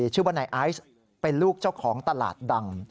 ชื่อว่านายไอซ์เป็นลูกเจ้าของตลาดดัง